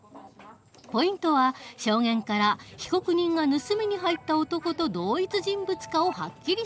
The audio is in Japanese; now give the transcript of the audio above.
ポイントは証言から被告人が盗みに入った男と同一人物かをはっきりさせる事。